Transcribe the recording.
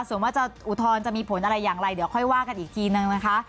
ส่วนว่าจะอุทธรณ์จะมีผลอะไรอย่างไรเดี๋ยวค่อยว่ากันอีกทีนึงนะคะ